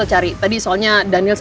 jadi suruh aja nih